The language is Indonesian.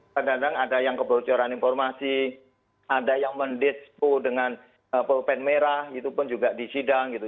kadang kadang ada yang kebocoran informasi ada yang mendispo dengan polpen merah itu pun juga di sidang gitu